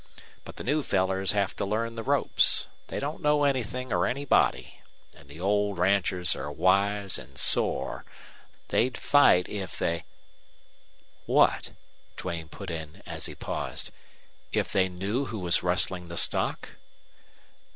But the new fellers have to learn the ropes. They don't know anythin' or anybody. An' the old ranchers are wise an' sore. They'd fight if they " "What?" Duane put in, as he paused. "If they knew who was rustling the stock?"